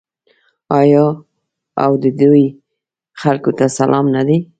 آیا او د دوی خلکو ته سلام نه دی؟